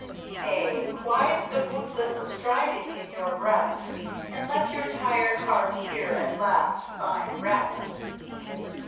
Nay, quiet the bootless striving in your breast And let your tired heart here at last find rest.